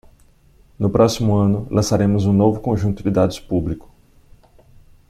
No próximo ano, lançaremos um novo conjunto de dados público.